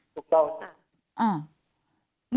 ถูกต้องค่ะ